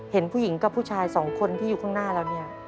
เห็นผู้หญิงกับผู้ชายสองคนที่อยู่ข้างหน้าเราเนี่ย